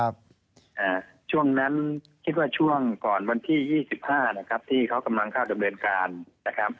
ผมคิดว่าช่วงก่อนวันที่๒๕นะครับที่เขากำลังเข้าดำเนินการนะครับ